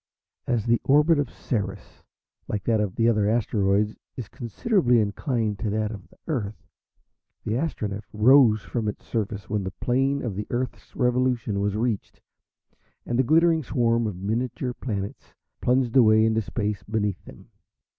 As the orbit of Ceres, like that of the other asteroids, is considerably inclined to that of the Earth, the Astronef rose from its surface when the plane of the Earth's revolution was reached, and the glittering swarm of miniature planets plunged away into space beneath them.